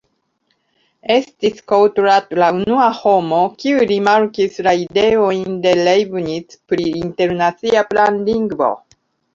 Estis Couturat la unua homo, kiu rimarkis la ideojn de Leibniz pri internacia planlingvo.